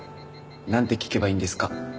なんて聞けばいいんですか？